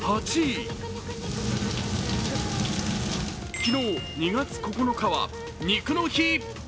昨日、２月９日は肉の日。